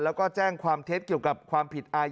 แล้วก็แจ้งความเท็จเกี่ยวกับความผิดอายา